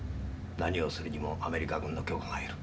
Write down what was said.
何をするにもアメリカ軍の許可がいる。